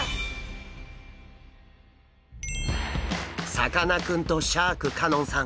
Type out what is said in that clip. さかなクンとシャーク香音さん